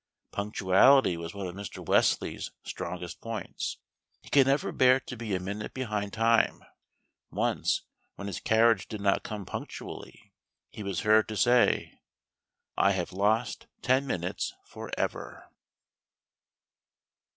Punctuality was one of Mr. Wesley's strongest points. He could never bear to be a minute behind time. Once, when his carriage did not come punctually, he was heard to say: "I have lost ten minutes for ever."